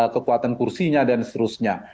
kekuatan kursinya dan seterusnya